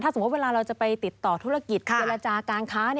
สมมุติเวลาเราจะไปติดต่อธุรกิจเจรจาการค้า